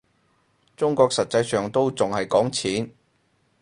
中國實際上都仲係講錢